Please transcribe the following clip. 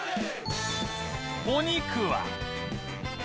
お肉は